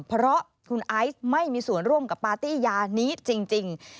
เพราะคุณไอซ์ไม่มีส่วนร่วมกับปาร์ตี้ยานี้จริง